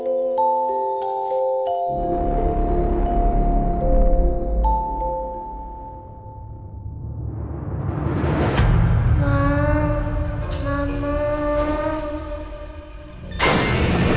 ketika kita berdua berdua